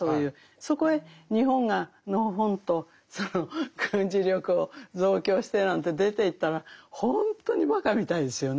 そこへ日本がのほほんと軍事力を増強してなんて出ていったらほんとにばかみたいですよね。